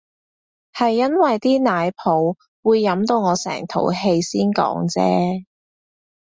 係因為啲奶泡會飲到我成肚氣先講啫